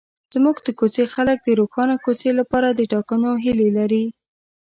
زموږ د کوڅې خلک د روښانه کوڅې لپاره د ټاکنو هیله لري.